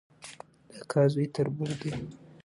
د اکا زوی تربور دی